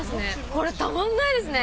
これ、たまんないですね。